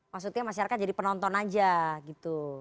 maksudnya masyarakat jadi penonton aja gitu